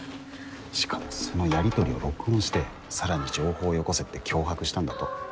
しかもそのやり取りを録音して更に情報をよこせって脅迫したんだと。